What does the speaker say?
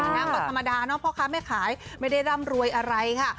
นั่งก็ธรรมดาเนอะพ่อค้าแม่ขายไม่ได้ร่ำรวยอะไรค่ะ